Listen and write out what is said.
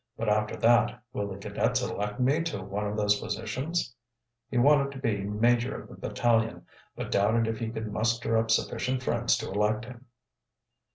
"But after that, will the cadets elect me to one of those positions?" He wanted to be major of the battalion, but doubted if he could muster up sufficient friends to elect him.